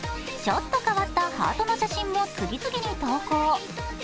ちょっと変わったハートの写真も次々に投稿。